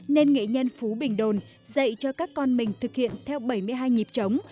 nên nghệ nhân phú bình đồn dạy cho các con mình thực hiện theo bảy mươi hai nhịp trống